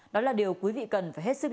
đó là điều quý vị cần phải hết sức